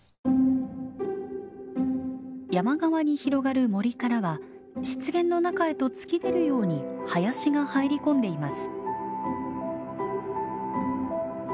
山側に広がる森からは湿原の中へと突き出るように林が入り込んでいます。